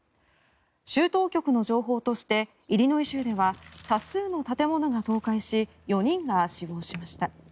州当局の情報としてイリノイ州では多数の建物が倒壊し４人が死亡しました。